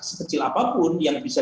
sekecil apapun yang bisa